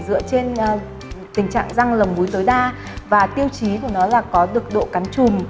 dựa trên tình trạng răng lồng muối tối đa và tiêu chí của nó là có đực độ cắn chùm